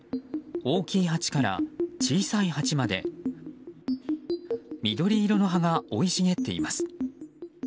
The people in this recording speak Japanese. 大きい鉢から小さい鉢まで緑色の葉が生い茂っています。